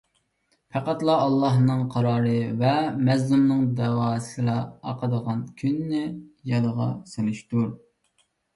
پەقەتلا ئاللاھنىڭ قارارى ۋە مەزلۇمنىڭ دەۋاسىلا ئاقىدىغان كۈننى يادىغا سېلىشتۇر.